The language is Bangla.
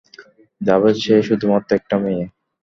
জাভেদ, সে শুধুমাত্র একটা মেয়ে।